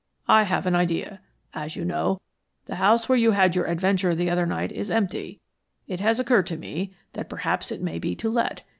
"I have an idea; as you know, the house where you had your adventure the other night is empty, it has occurred to me that perhaps it may be to let.